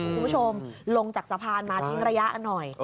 คุณผู้ชมลงจากสะพานมาทิ้งระยะหน่อย